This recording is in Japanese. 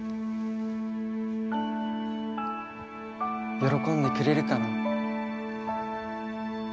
喜んでくれるかな。